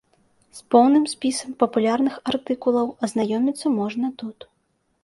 З поўным спісам папулярных артыкулаў азнаёміцца можна тут.